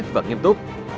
và nghiêm túc